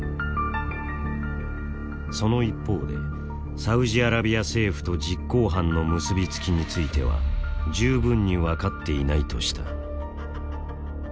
その一方でサウジアラビア政府と実行犯の結びつきについては十分に分かっていないとした。